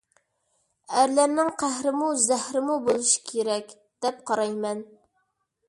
«ئەرلەرنىڭ قەھرىمۇ، زەھىرىمۇ بولۇشى كېرەك» دەپ قارايمەن.